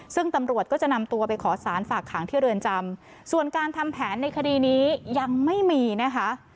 ซึ่งตำรวจก็จะนำตัวไปขอสารฝากขังที่เรือนจำส่วนการทำแผนในคดีนี้ยังไม่มีนะคะ